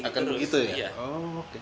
makin tinggi terus